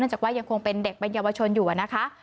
จากว่ายังคงเป็นเด็กเป็นเยาวชนอยู่นะคะ